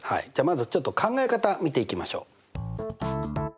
じゃあまずちょっと考え方見ていきましょう。